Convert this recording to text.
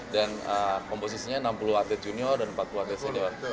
dan komposisinya enam puluh atet junior dan empat puluh atet senior